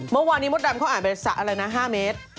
เมื่อวานนี้มดดำเขาอ่านไปสระอะไรนะ๕เมตร